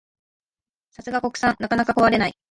さすが国産、なかなか壊れない